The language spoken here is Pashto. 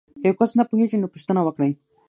که یو کس نه پوهیږي نو پوښتنه وکړئ.